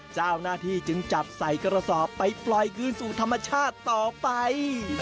เจ้าหน้าที่จึงจับใส่กระสอบไปปล่อยคืนสู่ธรรมชาติต่อไป